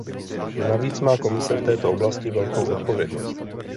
Navíc má Komise v této oblasti velkou odpovědnost.